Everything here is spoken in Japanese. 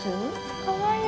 かわいい。